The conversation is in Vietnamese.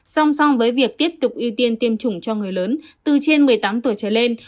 song song với việc tiếp tục ưu tiên tiêm chủng cho người lớn từ trên một mươi tám tuổi trở lên